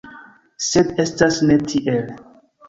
Sed estas ne tiel.